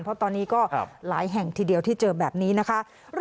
เพราะตอนนี้ก็หลายแห่งทีเดียวที่เจอแบบนี้นะคะ